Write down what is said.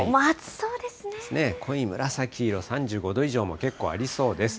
濃い紫色、３５度以上も結構ありそうです。